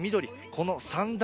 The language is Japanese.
この三段